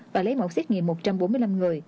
và lấy mẫu xét nghiệm một trăm bốn mươi năm người